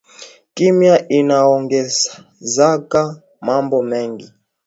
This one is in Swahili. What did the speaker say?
Kimya inaongozaka mambo mingi